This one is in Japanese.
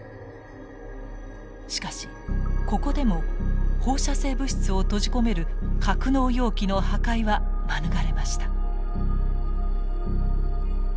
しかしここでも放射性物質を閉じ込める格納容器の破壊は免れました。